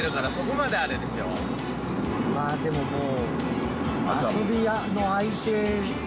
まあでももう。